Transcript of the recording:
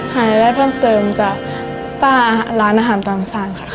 รายได้เพิ่มเติมจากป้าร้านอาหารตามสั่งค่ะ